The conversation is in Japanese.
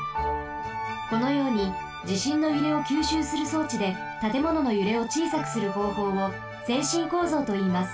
このようにじしんのゆれをきゅうしゅうするそうちでたてもののゆれをちいさくするほうほうを「制震構造」といいます。